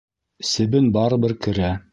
Себен барыбер керә.